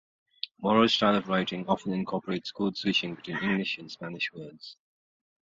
Mora's style of writing often incorporates code switching between English and Spanish words.